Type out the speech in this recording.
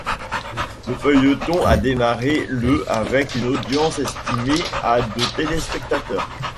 Le feuilleton a démarré le avec une audience estimée à de téléspectateurs.